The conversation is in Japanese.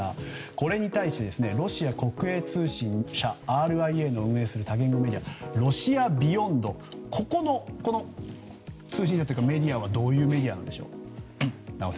これに対し、ロシア国営通信社ＲＩＡが運営する多言語メディアロシア・ビヨンドここの通信社というかメディアはどういうメディアなんでしょう。